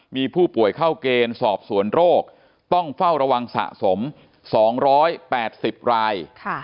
มีผู้ป่วยเข้าเกณฑ์สอบสวนโรคต้องเฝ้าระวังสะสม๒๘๐ราย